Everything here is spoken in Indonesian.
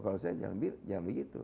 kalau saya jangan begitu